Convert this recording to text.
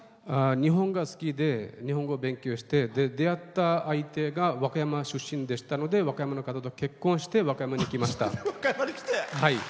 日本が好きで日本語勉強して出会った相手が和歌山出身でしたので和歌山の方と結婚して和歌山に来ました。